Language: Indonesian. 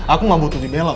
aku mau butuh di belakang